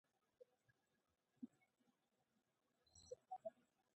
پر توکو عادلانه او مناسب ګټه وټاکي له خپلسري